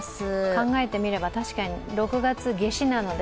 考えてみれば、確かに６月夏至なので